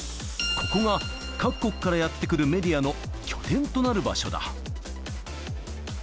ここが各国からやって来るメディアの拠点となる場所だ。